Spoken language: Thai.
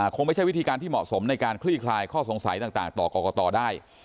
คงไม่ใช่วิธีการที่เหมาะสมในการคลี่คลายข้อสงสัยต่างต่อกรกตได้